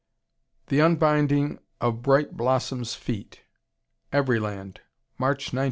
"The Unbinding of Bright Blossom's Feet," Everyland, March, 1913.